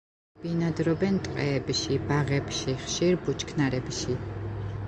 ბინადრობენ ტყეებში, ბაღებში, ხშირ ბუჩქნარებში.